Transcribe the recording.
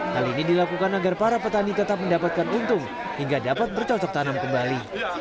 hal ini dilakukan agar para petani tetap mendapatkan untung hingga dapat bercocok tanam kembali